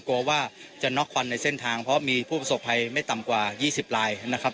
กลัวว่าจะน็อกควันในเส้นทางเพราะมีผู้ประสบภัยไม่ต่ำกว่า๒๐ลายนะครับ